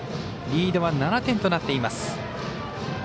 リードは７点となっています。